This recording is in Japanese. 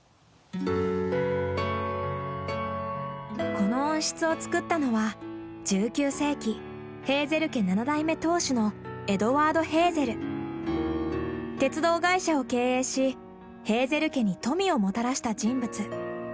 この温室を作ったのは１９世紀ヘーゼル家鉄道会社を経営しヘーゼル家に富をもたらした人物。